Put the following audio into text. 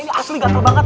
ini asli gatel banget